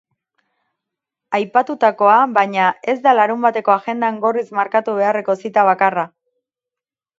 Aipatutakoa, baina, ez da larunbateko agendan gorriz markatu beharreko zita bakarra.